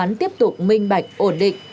chứng khoán tiếp tục minh bạch ổn định